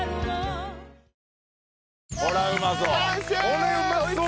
これはうまそう。